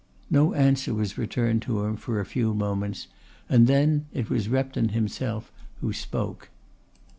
No answer was returned to him for a few moments and then it was Repton himself who spoke.